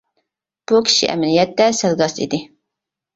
بۇ كىشى ئەمەلىيەتتە سەل گاس ئىدى.